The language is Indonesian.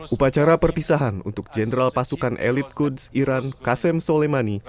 upacara perpisahan untuk general pasukan elit quds iran qasim soleimani